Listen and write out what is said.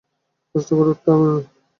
কষ্ট করে উঠতে হবে না।